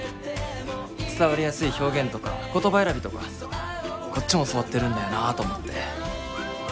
伝わりやすい表現とか言葉選びとかこっちも教わってるんだよなと思って。